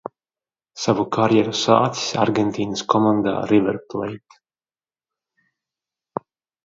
"Savu karjeru sācis Argentīnas komandā "River Plate"."